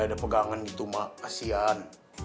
ada pegangan gitu mak kasian